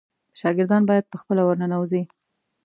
شاګردان باید په خپله ورننوزي.